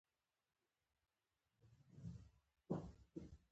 نقل او ممیز له چای سره ایښودل کیږي.